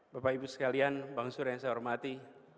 bapak ibu sekalian bang sur yang saya hormati